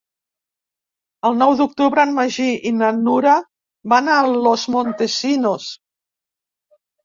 El nou d'octubre en Magí i na Nura van a Los Montesinos.